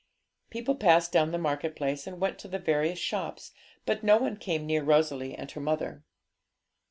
People passed down the market place and went to the various shops, but no one came near Rosalie and her mother.